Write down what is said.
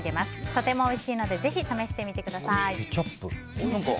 とてもおいしいのでぜひ試してみてください。